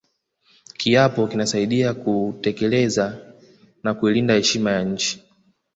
kiapo kinasaidia kutekeleza na kulinda heshima ya nchi